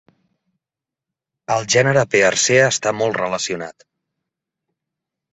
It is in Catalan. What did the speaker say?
El gènere "Pearcea" està molt relacionat.